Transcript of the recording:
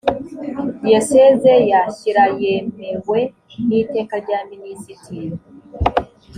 diyoseze ya shyira yemewe n’iteka rya minisitiri